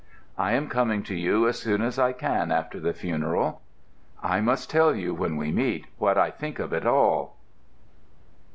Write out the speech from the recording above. I am coming to you as soon as I can after the funeral. I must tell you when we meet what I think of it all.